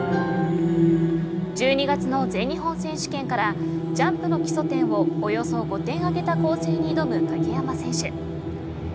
１２月の全日本選手権からジャンプの基礎点をおよそ５点上げた構成に挑む鍵山選手。